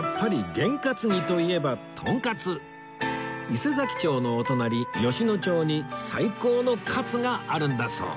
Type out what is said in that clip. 伊勢佐木町のお隣吉野町に最高のカツがあるんだそう